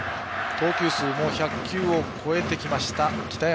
投球数は１００球を超えてきた北山。